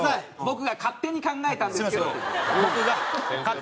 僕が勝手に考えた式です。